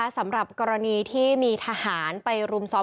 สำหรับกรณีที่มีทหารไปรุมซ้อม